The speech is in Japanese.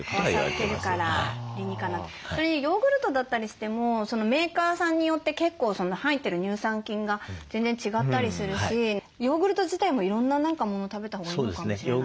それにヨーグルトだったりしてもメーカーさんによって結構入ってる乳酸菌が全然違ったりするしヨーグルト自体もいろんなもの食べたほうがいいのかもしれないですね。